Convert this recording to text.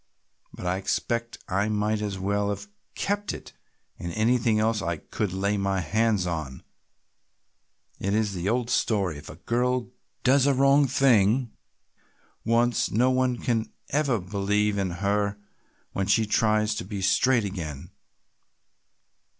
But I expect I might as well have kept it and anything else I could lay my hands on. It is the old story, if a girl does a wrong thing once no one ever believes in her when she tries to be straight again.